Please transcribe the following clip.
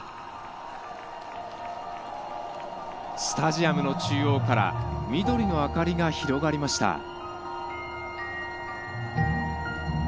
スタジアムの中央から緑の明かりが広がりました。